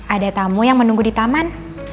ada tamu yang menunggu di taman